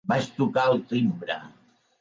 Vaig trucar al timbre.